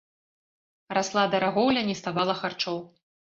Расла дарагоўля, не ставала харчоў.